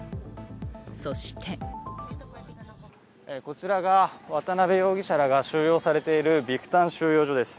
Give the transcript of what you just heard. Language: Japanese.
そしてこちらが渡辺容疑者らが収容されているビクタン収容所です。